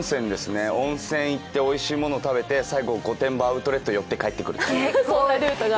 温泉行って、おいしいもの食べて、最後御殿場アウトレット寄って帰ってくるっていう。